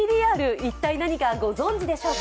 一体何か、ご存じでしょうか。